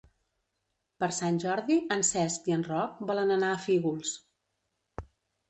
Per Sant Jordi en Cesc i en Roc volen anar a Fígols.